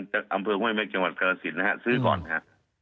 จากอำเภอเมืองเมฆจังหวัดกราศิลป์ซื้อก่อนค่ะ